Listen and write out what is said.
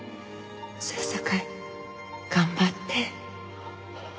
そやさかい頑張って。